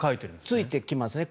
ついてきますね